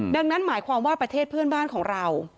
ดังนั้นหมายความว่าประเทศเพื่อนบ้านของเรา